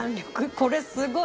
これすごい。